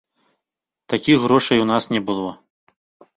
Такіх грошай у нас не было.